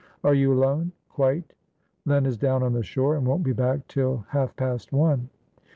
"Are you alone?" "Quite. Len is down on the shore, and won't be back till half past one."